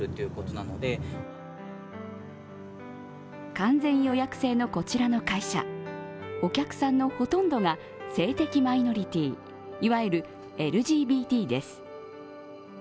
完全予約制のこちらの会社、お客さんのほとんどが性的マイノリティ、いわゆるＬＧＢＴです。